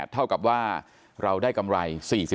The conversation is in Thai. เท่ากับว่าเราได้กำไร๔๐